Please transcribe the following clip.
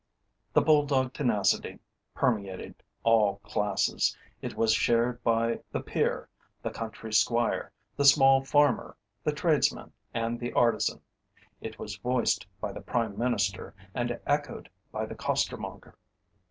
The bull dog tenacity permeated all classes; it was shared by the peer, the country squire, the small farmer, the tradesman and the artizan; it was voiced by the Prime Minister, and echoed by the costermonger.